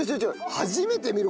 初めて見る！